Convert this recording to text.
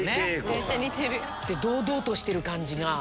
堂々としてる感じが。